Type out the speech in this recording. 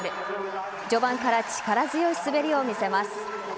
序盤から力強い滑りを見せます。